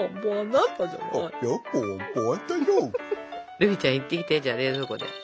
グーフィーちゃん行ってきてじゃあ冷蔵庫で。